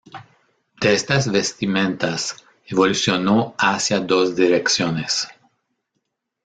De estas vestimentas evolucionó hacia dos direcciones.